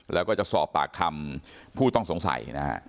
และก็จะสอบปากคำผู้ต้องสงสัย